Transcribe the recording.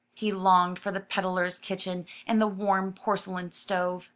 He longed for the peddler's kitchen and the warm porcelain stove.